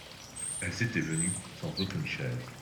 Elles étaient venues sans aucune chaise.